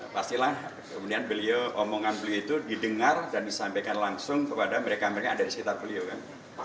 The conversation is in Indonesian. pastilah kemudian beliau omongan beliau itu didengar dan disampaikan langsung kepada mereka mereka ada di sekitar beliau kan